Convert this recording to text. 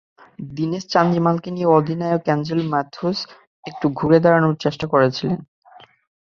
দীনেশ চান্ডিমালকে নিয়ে অধিনায়ক অ্যাঞ্জেলো ম্যাথুস একটু ঘুরে দাঁড়ানোর চেষ্টা করেছিলেন।